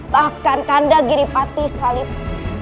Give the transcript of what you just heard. bahkan kanda giripati sekalipun